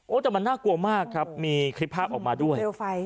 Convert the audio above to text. แต่มันน่ากลัวมากครับมีคลิปภาพออกมาด้วย